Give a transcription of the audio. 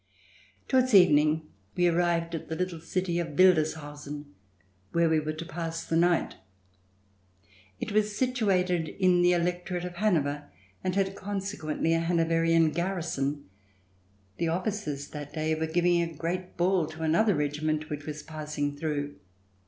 Towards evening we arrived at the little city of Wildeshausen where we were to pass the night. It was situated in the electorate of Hanover and had consequently a Hanoverian garrison. The officers that day were giving a great ball to another regiment which was passing through.